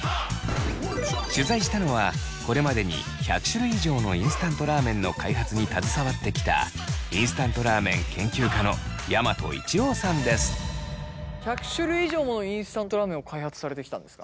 取材したのはこれまでに１００種類以上のインスタントラーメンの開発に携わってきた１００種類以上のインスタントラーメンを開発されてきたんですか？